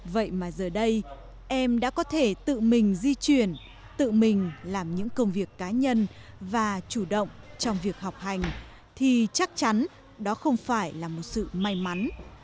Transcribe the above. vậy mà giờ đây em đã có thể tự mình di chuyển tự mình làm những công việc cá nhân và chủ động trong việc học hành thì chắc chắn đó không phải là một sự may mắn